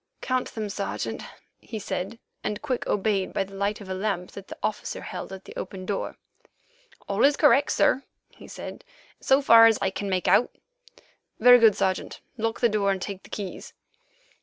"Count them, Sergeant," he said, and Quick obeyed by the light of a lamp that the officer held at the open door. "All correct, sir," he said, "so far as I can make out." "Very good, Sergeant. Lock the door and take the keys."